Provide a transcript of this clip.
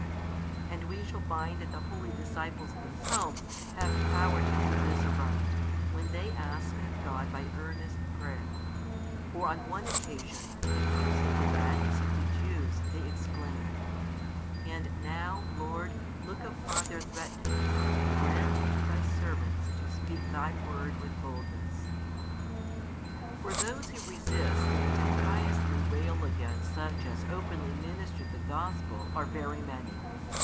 And we shall find that the holy disciples themselves have power to do this aright, when they ask of God by earnest prayer: for on one occasion, accusing the madness of the Jews, they exclaimed: And now, Lord, look upon their threatenings: and grant unto Thy servants to speak Thy word with boldness. For those who resist and impiously rail against such as openly minister the Gospel are very many.